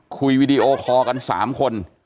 คุยวิดีโอคอกันสามคน